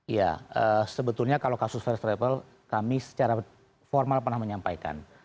ya sebetulnya kalau kasus first travel kami secara formal pernah menyampaikan